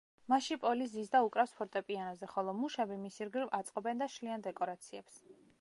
მასში პოლი ზის და უკრავს ფორტეპიანოზე, ხოლო მუშები მის ირგვლივ აწყობენ და შლიან დეკორაციებს.